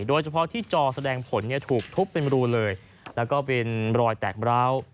โดยเฉพาะที่จอแสดงผลถูกทุบเป็นรูเลยและเป็นรอยแตกเบล้า